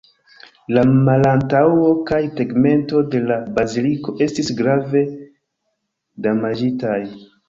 La malantaŭo kaj tegmento de la baziliko estis grave damaĝitaj.